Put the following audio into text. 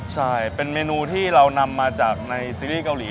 ใช่เป็นเมนูที่เรานำมาจากในซีรีส์เกาหลี